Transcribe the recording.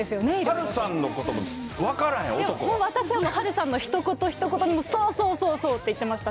波瑠さんのこと分からへん、もう私は波瑠さんのひと言ひと言に、もう、そうそうそうそうって言ってました、